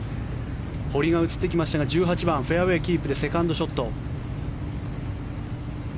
堀が映ってきましたが１８番、フェアウェーキープでセカンドショット。